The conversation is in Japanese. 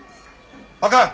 あかん！